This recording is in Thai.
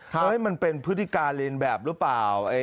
ว่าจะให้เป็นพฤติการเลียนแบบหรือเปล่า